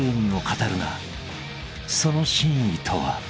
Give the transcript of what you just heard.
［その真意とは？］